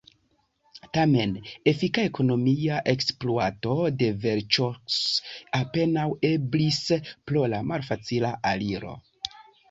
Tamen efika ekonomia ekspluato de Vercors apenaŭ eblis pro la malfacila aliro.